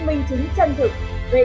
mất đi phương hướng